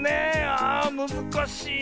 あむずかしいなあ。